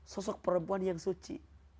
sosok perempuan yang suci